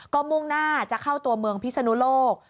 ก็มุ่งหน้าจะเข้าตัวเมืองพิศนุโลก